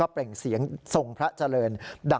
เปล่งเสียงทรงพระเจริญ